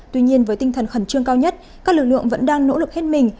tuy nhiên với tinh thần khẩn trương cao nhất các lực lượng vẫn đang nỗ lực hết mình